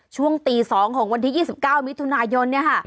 ช่วงตี๒ของวันที่๒๙มิถุนายน